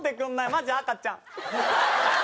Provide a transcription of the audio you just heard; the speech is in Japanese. マジ赤ちゃん。